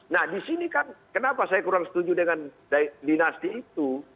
nah di sini kan kenapa saya kurang setuju dengan dinasti itu